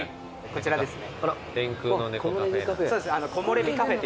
こちらですね。